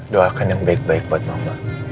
doakan yang baik baik buat mama